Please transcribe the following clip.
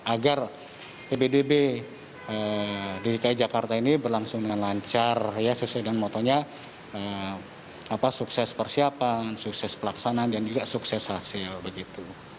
agar pbdb dki jakarta ini berlangsung dengan lancar sesuai dengan motonya sukses persiapan sukses pelaksanaan dan juga sukses hasil begitu